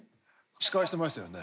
司会してましたよね。